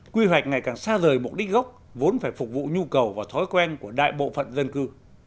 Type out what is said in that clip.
quy hoạch ngày càng xa rời mục đích gốc vốn phải phục vụ nhu cầu và thói quen của đại bộ phận dân cư